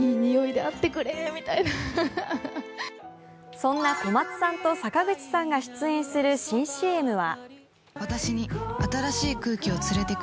そんな小松さんと坂口さんが出演する新ＣＭは。